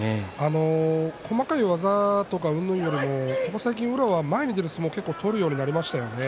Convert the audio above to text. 細かい技とかうんぬんよりも最近、宇良は前に出る相撲を取るようになりましたよね。